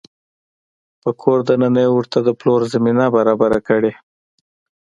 په کور دننه يې ورته د پلور زمینه برابره کړې